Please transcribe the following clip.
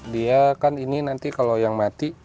dia kan ini nanti kalau yang mati